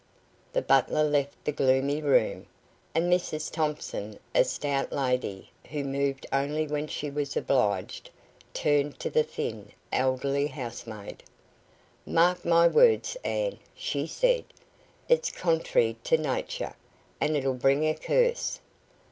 The butler left the gloomy room, and Mrs Thompson, a stout lady, who moved only when she was obliged, turned to the thin, elderly housemaid. "Mark my words, Ann," she said. "It's contr'y to nature, and it'll bring a curse."